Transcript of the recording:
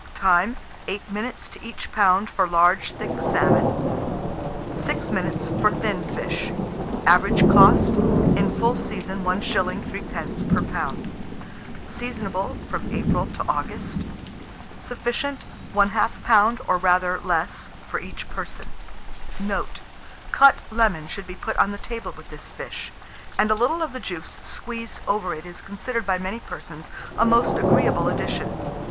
Time. 8 minutes to each lb. for large thick salmon; 6 minutes for thin fish. Average cost, in full season, 1s. 3d. per lb. Seasonable from April to August. Sufficient, 1/2 lb., or rather less, for each person. Note. Cut lemon should be put on the table with this fish; and a little of the juice squeezed over it is considered by many persons a most agreeable addition.